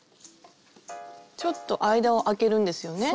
ちょっと間をあけるんですよね？